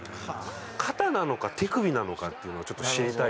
肩なのか手首なのかっていうのをちょっと知りたいですよね。